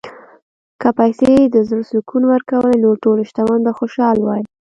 که پیسې د زړه سکون ورکولی، نو ټول شتمن به خوشاله وای.